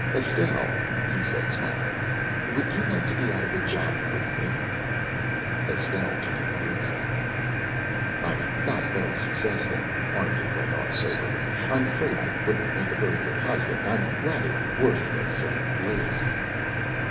"Estelle," he said, smiling, "would you like to be out of a job with me?" Estelle turned crimson. "I'm not very successful," Arthur went on soberly. "I'm afraid I wouldn't make a very good husband, I'm rather worthless and lazy!"